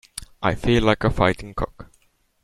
I feel like a fighting cock.